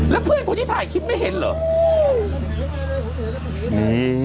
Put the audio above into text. แล้วเพื่อนคนที่ถ่ายคลิปไม่เห็นเหรอ